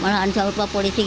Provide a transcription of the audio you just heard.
malah kalau polisi